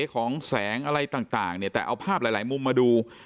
ของแสงอะไรต่างเนี่ยแต่เอาภาพหลายมุมมาดู